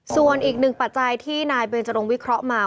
ส่วนอีกหนึ่งปัจจัยที่นายเบนจรงวิเคราะห์มา